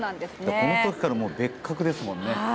この時から別格ですもんね。